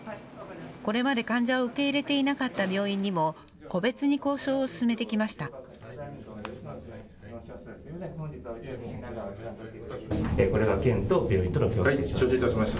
これまで患者を受け入れていなかった病院にも個別に交渉を進めてきました。